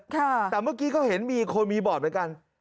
แต่เมื่อกี้เขาเห็นมีคนมีบอร์ดเหมือนกัน